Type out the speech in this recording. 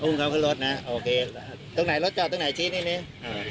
เขาขึ้นรถนะโอเคตรงไหนรถจอดตรงไหนชี้นิดนึง